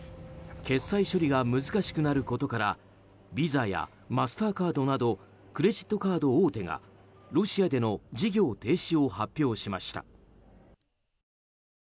決済処理が難しくなることからＶＩＳＡやマスターカードなどクレジットカード大手がロシアでの事業停止を発表しました。